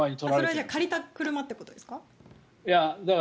それは借りた車ということですか？